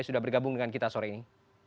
sudah bergabung dengan kita sore ini